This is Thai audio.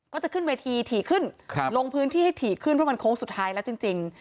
ก็จะขึ้นเวทีถี่ขึ้นลงพื้นที่ให้ถี่ขึ้นเพราะมันโค้งสุดท้ายแล้วจริง